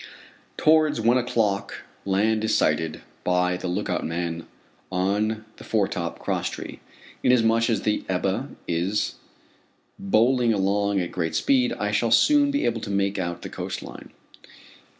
Towards one o'clock land is sighted by the lookout man on the foretop cross tree. Inasmuch as the Ebba is bowling along at great speed I shall soon be able to make out the coast line.